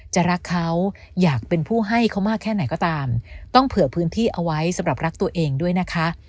จะรักเขาอยากเป็นผู้ให้เขามากแค่ไหนก็ตามต้องเผื่อพื้นที่เอาไว้สำหรับรักตัวเองด้วยนะคะ